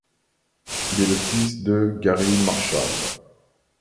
Il est le fils de Garry Marshall.